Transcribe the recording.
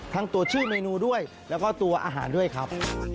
ทั้งตัวชื่อเมนูด้วยแล้วก็ตัวอาหารด้วยครับ